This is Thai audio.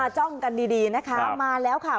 จ้องกันดีนะคะมาแล้วค่ะ